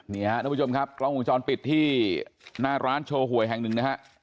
นี่ฮะทุกผู้ชมครับกล้องวงจรปิดที่หน้าร้านโชว์หวยแห่งหนึ่งนะฮะ